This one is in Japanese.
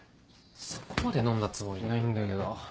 そこまで飲んだつもりないんだけど。